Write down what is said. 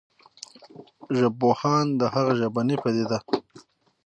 ژبپوهان د هغه ژبنې پديده